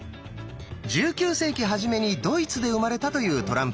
１９世紀初めにドイツで生まれたというトランプゲームです。